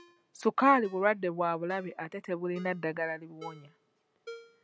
Ssukaali bulwadde bwa bulabe ate tebulina ddagala libuwonya.